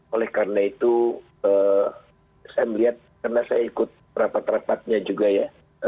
oleh karena itu saya melihat karena saya ikut rapat rapatnya juga ya